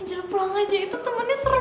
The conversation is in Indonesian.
anjel pulang aja itu temennya serem